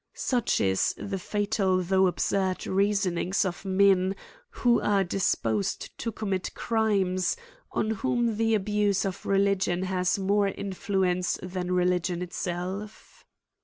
Such is the fatal though absurd reasonings of men who are disposed to commit crimes, on whom the abuse of religi on has more influence than religion itself.